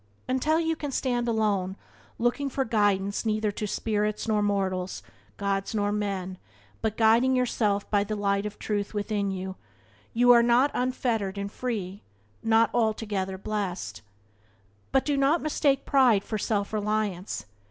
Until you can stand alone, looking for guidance neither to spirits nor mortals, gods nor men, but guiding yourself by the light of the truth within you, you are not unfettered and free, not altogether blessed. But do not mistake pride for self reliance.